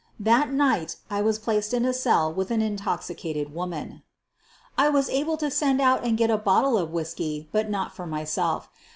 That night I was placed in a cell with an in toxicated woman. I was able to send out and get a bottle of whiskey, but not for myself.